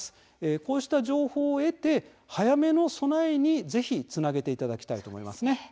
こうした情報を得て早めの備えにぜひつなげていただきたいと思います。